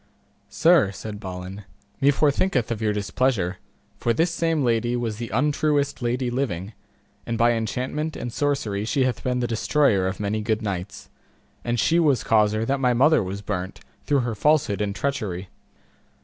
Sir, said Balin, me forthinketh of your displeasure, for this same lady was the untruest lady living, and by enchantment and sorcery she hath been the destroyer of many good knights, and she was causer that my mother was burnt, through her falsehood and treachery.